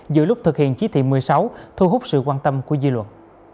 giữa lúc thực hiện chỉ thị một mươi sáu thu hút sự quan tâm của dư luận